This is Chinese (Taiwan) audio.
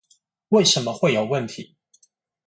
為什麼會有問題